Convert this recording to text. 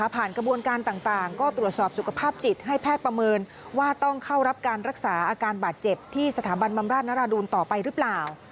กระบวนการต่างก็ตรวจสอบสุขภาพจิตให้แพทย์ประเมินว่าต้องเข้ารับการรักษาอาการบาดเจ็บที่สถาบันบำราชนรดูลต่อไปหรือเปล่า